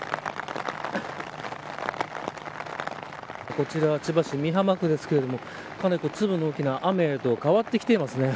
こちら千葉市美浜区ですけどかなり粒の大きな雨へと変わってきていますね。